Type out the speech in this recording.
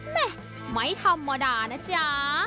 แม่ไม่ธรรมดานะจ๊ะ